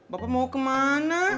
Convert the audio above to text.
bapak mau kemana